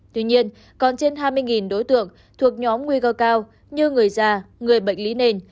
tuy nhiên còn trên hai mươi đối tượng thuộc nhóm nguy cơ cao như người già người bệnh lý nền